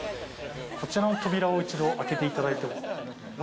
こちらの扉を一度開けていただいても。